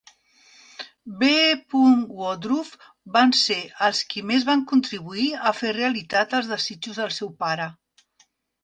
(...) B. Woodruff van ser els qui més van contribuir a fer realitat els desitjos del seu pare.